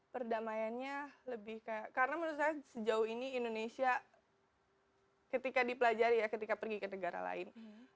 perdamaiannya lebih kayak karena menurut saya sejauh ini indonesia ketika dipelajari ya ketika pergi ke negara lain